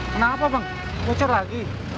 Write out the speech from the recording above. kenapa bang kecoh lagi